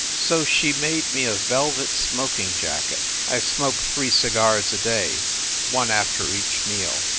So she made me a velvet smoking jacket I smoke three cigars a day, one after each meal.